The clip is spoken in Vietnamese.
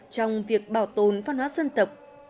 trong việc bảo tồn văn hoá dân tộc